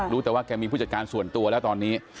รู้แต่ว่าแกมีผู้จัดการส่วนตัวแล้วตอนนี้